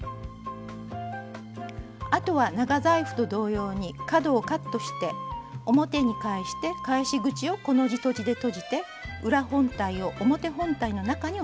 あとは長財布と同様に角をカットして表に返して返し口をコの字とじでとじて裏本体を表本体の中に収めます。